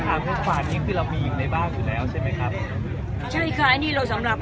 เมื่อป่านนี้คือเรามีอยู่ในบ้านอยู่แล้วใช่ไหมครับใช่ค่ะอันนี้เราสำหรับ